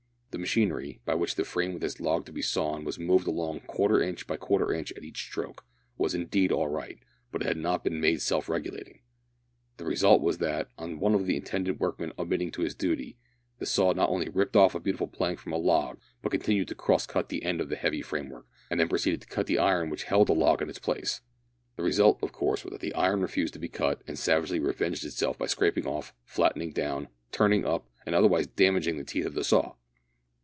The machinery, by which the frame with its log to be sawn was moved along quarter inch by quarter inch at each stroke, was indeed all right, but it had not been made self regulating. The result was that, on one of the attendant workmen omitting to do his duty, the saw not only ripped off a beautiful plank from a log, but continued to cross cut the end of the heavy framework, and then proceeded to cut the iron which held the log in its place. The result, of course, was that the iron refused to be cut, and savagely revenged itself by scraping off, flattening down, turning up, and otherwise damaging, the teeth of the saw!